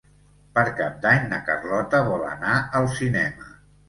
Per Cap d'Any na Carlota vol anar al cinema.